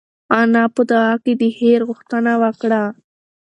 انا په دعا کې د خیر غوښتنه وکړه.